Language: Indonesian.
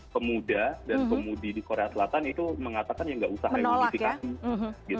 pemuda dan pemudi di korea selatan itu mengatakan ya nggak usah remodifikasi